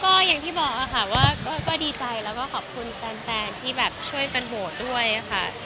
ก็อย่างที่บอกอะค่ะว่าก็ดีใจแล้วว่าขอบคุณแฟนแฟนที่ช่วยกันโหดด้วยค่ะ